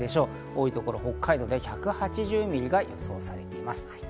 多いところは北海道では１８０ミリが予想されています。